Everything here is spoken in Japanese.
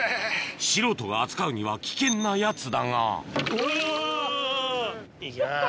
素人が扱うには危険なやつだがうわ！